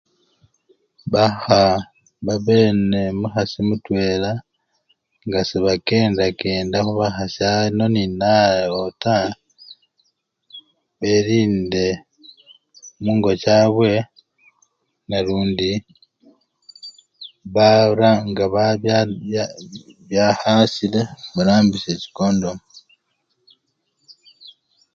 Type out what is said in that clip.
Bakha babe nende omukhasi mulala nga sebakendakenda khubakhasi ano nenano taa, belinde mungo chabwe nalundi, bar! bya! ni! ni! barambisye chikondomu.